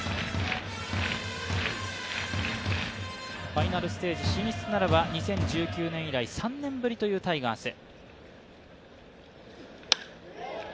ファイナルステージ進出ならば２０１９年以来３年ぶりというタイガース。